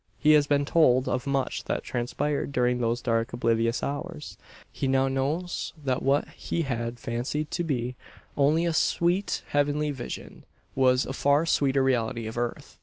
He has been told of much that transpired during those dark oblivious hours. He now knows that what he had fancied to be only a sweet, heavenly vision, was a far sweeter reality of earth.